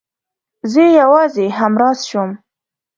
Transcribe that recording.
زه يې يوازې همراز شوم.